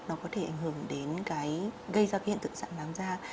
nó có thể ảnh hưởng đến cái gây ra hiện tượng sạm nám da